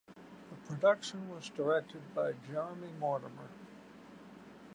The production was directed by Jeremy Mortimer.